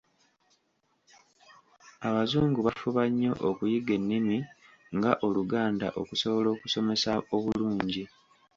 Abazungu bafuba nnyo okuyiga ennimi nga Oluganda okusobola okusomesa obulungi.